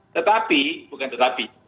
tetapi bukan tetapi